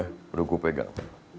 udah gue pegang